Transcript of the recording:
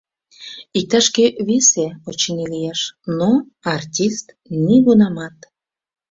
Иктаж-кӧ весе, очыни, лиеш, но артист — нигунамат.